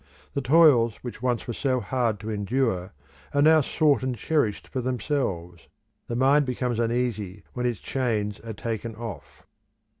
The toils which once were so hard to endure are now sought and cherished for themselves: the mind becomes uneasy when its chains are taken off.